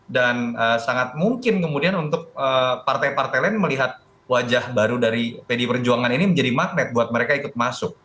dan sangat mungkin kemudian untuk partai partai lain melihat wajah baru dari pdi perjuangan ini menjadi magnet buat mereka ikut masuk